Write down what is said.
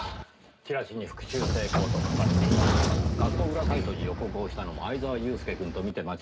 チラシに「復讐成功」と書かれていた事から学校裏サイトに予告をしたのも藍沢祐介くんと見て間違いないでしょう。